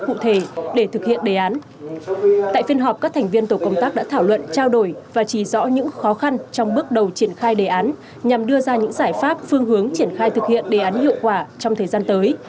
tại phiên họp các thành viên tổ công tác đã thảo luận trao đổi và chỉ rõ những khó khăn trong bước đầu triển khai đề án nhằm đưa ra những giải pháp phương hướng triển khai thực hiện đề án hiệu quả trong thời gian tới